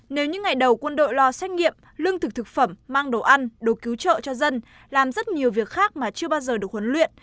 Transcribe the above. nếu những ngày đầu quân đội lo xét nghiệm lương thực thực phẩm mang đồ ăn đồ cứu trợ cho dân làm rất nhiều việc khác mà chưa bao giờ được huấn luyện